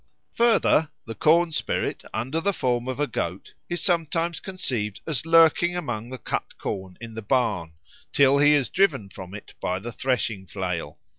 Further, the corn spirit under the form of a goat is sometimes conceived as lurking among the cut corn in the barn, till he is driven from it by the threshing flail.